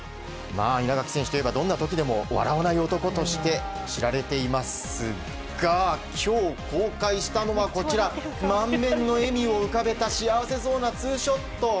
稲垣選手といえばどんな時でも笑わない男として知られていますが今日公開したのは満面の笑みを浮かべた幸せそうなツーショット。